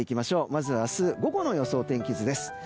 まずは明日午後の予想天気図です。